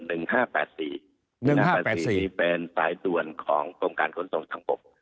๑๕๘๔นี่เป็นสายต่วนของกรงการขนส่งทั้งหมด